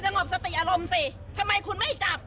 งบสติอารมณ์สิทำไมคุณไม่จับ